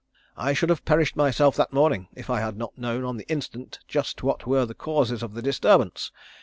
"I should have perished myself that morning if I had not known on the instant just what were the causes of the disturbance.